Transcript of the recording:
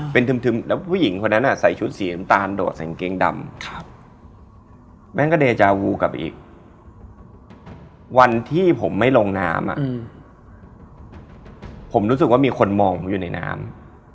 ผมรู้สึกว่ามีคนมองผมอยู่ในน้ำ